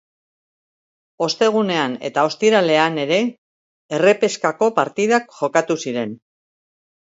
Ostegunean eta ostiralean ere errepeskako partidak jokatu ziren.